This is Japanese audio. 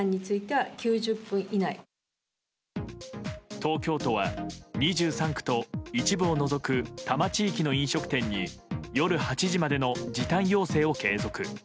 東京都は２３区と一部を除く多摩地域の飲食店に夜８時までの時短要請を継続。